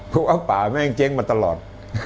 เพราะว่าป่าแม่งเจ๊งมาตลอด